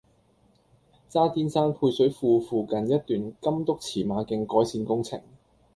渣甸山配水庫附近一段金督馳馬徑改善工程